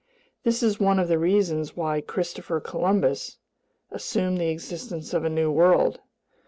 This is one of the reasons why Christopher Columbus assumed the existence of a New World.